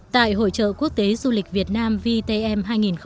tại hội trợ quốc tế du lịch việt nam vitm hai nghìn một mươi bảy